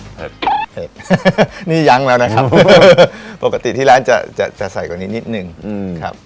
เห็ดนี่ยั้งแล้วนะครับปกติที่ร้านจะจะใส่กว่านี้นิดนึงครับ